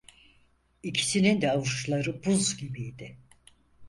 İkisinin de avuçları buz gibiydi.